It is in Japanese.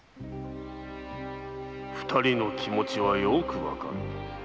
二人の気持ちはよくわかる。